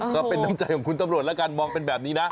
ก็เป็นน้ำใจของคุณตำรวจแล้วกันมองเป็นแบบนี้นะ